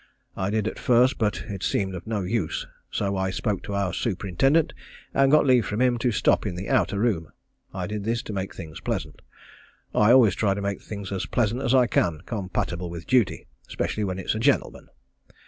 I did at first, but it seemed of no use; so I spoke to our superintendent, and got leave from him to stop in the outer room. I did this to make things pleasant. I always try to make things as pleasant as I can, compatible with duty, specially when it's a gentleman.